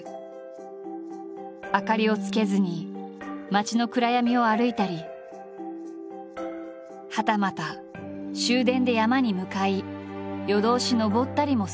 明かりをつけずに街の暗闇を歩いたりはたまた終電で山に向かい夜通し登ったりもする。